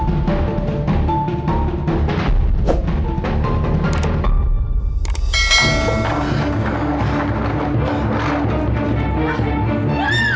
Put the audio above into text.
apa yang membuat kamu ketakutan seperti ini